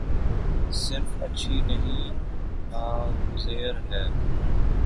صرف اچھی نہیں ناگزیر ہے۔